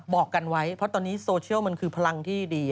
บอกกันไว้เพราะตอนนี้โซเชียลมันคือพลังที่ดี